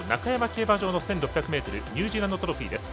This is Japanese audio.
競馬場の１６００ｍニュージーランドトロフィーです。